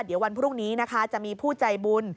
เดี๋ยววันพรุ่งนี้นะคะจะมีผู้ใจบุญ